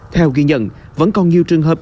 theo ghi nhận vẫn còn nhiều trường hợp